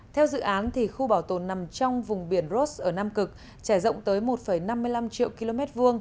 theo dự án khu bảo tồn nằm trong vùng biển ross ở nam cực trẻ rộng tới một năm mươi năm triệu km hai